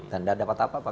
dan tidak dapat apa apa